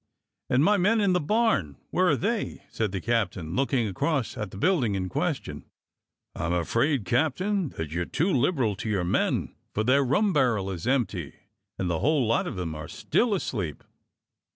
"And my men in the barn, where are they?" said the captain, looking across at the building in question. "I'm afraid. Captain, that you are too liberal to your men, for their rum barrel is empty and the whole lot of them are still asleep."